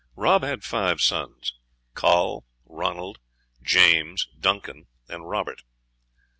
Rob had five sons, Coll, Ronald, James, Duncan, and Robert.